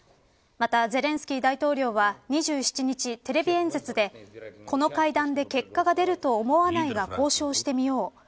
また、ゼレンスキー大統領は２７日テレビ演説でこの会談で結果が出ると思わないが交渉してみよう。